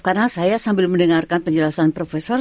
karena saya sambil mendengarkan penjelasan profesor